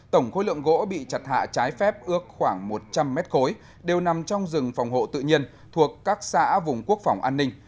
tổng khối lượng gỗ bị chặt hạ trái phép ước khoảng một trăm linh mét khối đều nằm trong rừng phòng hộ tự nhiên thuộc các xã vùng quốc phòng an ninh